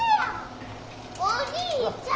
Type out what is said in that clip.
お兄ちゃん！